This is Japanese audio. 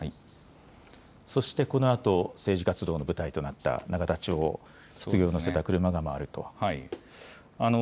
そしてこのあと政治活動の舞台となった永田町をひつぎを乗せた車が回ると。